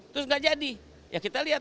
terus nggak jadi ya kita lihat